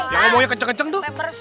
yang ngomongnya kenceng kenceng itu